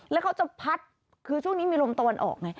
แล้วเขาจะพัดคือช่วงนี้มีลมตะวันออกไง